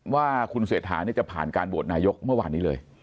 ว่าคุณเศรษฐาจะผ่านการโหวตนายกเมื่อวานนี้เลย